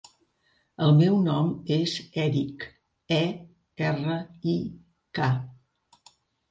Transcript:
El meu nom és Erik: e, erra, i, ca.